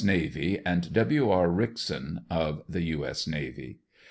Navy, and W. R Rickson of the XJ. S Navy.